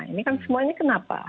ini kan semuanya kenapa